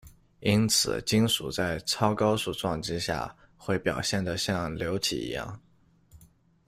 因此，金属在超高速撞击下，会表现得像流体一样。